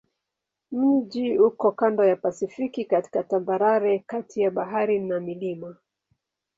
Mji uko kando la Pasifiki katika tambarare kati ya bahari na milima.